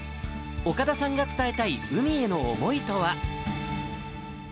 岡田さんが伝えたい海への思いとは。